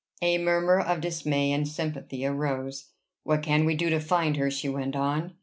A murmur of dismay and sympathy arose. "What can we do to find her?" she went on.